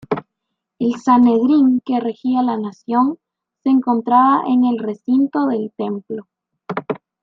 El Sanedrín, que regía la nación, se encontraba en el recinto del Templo.